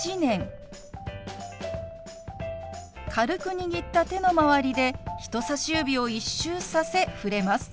軽く握った手の周りで人さし指を一周させ触れます。